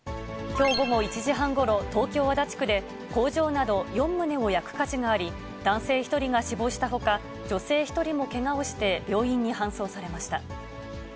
きょう午後１時半ごろ、東京・足立区で工場など４棟を焼く火事があり、男性１人が死亡したほか、女性１人もけがをして病院に搬送されました。